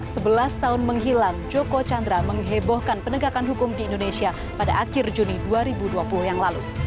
sebelas tahun menghilang joko chandra menghebohkan penegakan hukum di indonesia pada akhir juni dua ribu dua puluh yang lalu